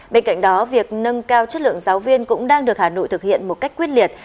bên cạnh đó việc nâng cao chất lượng giáo viên cũng đang được hà nội thực hiện một cách quyết liệt